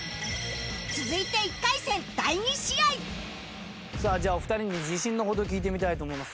続いて１回戦第２試合じゃあお二人に自信のほどを聞いてみたいと思います。